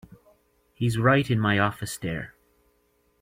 He's right in my office there.